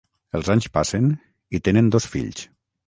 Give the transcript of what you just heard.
Els anys passen, i tenen dos fills.